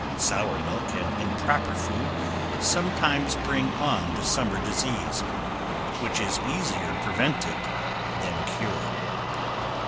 Sour milk and improper food sometimes bring on the summer disease, which is easier prevented than cured.